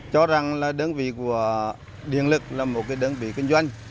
cho rằng là đơn vị của điện lực là một đơn vị kinh doanh